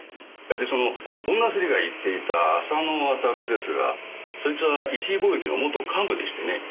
でその女スリが言っていた浅野亘ですがそいつは石井貿易の元幹部でしてね。